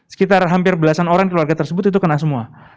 sekitar hampir belasan orang keluarga tersebut itu kena semua